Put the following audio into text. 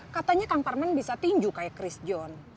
katanya kang parman bisa tinju kayak chris john